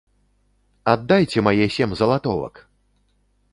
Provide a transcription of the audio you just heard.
Аддайце мае сем залатовак!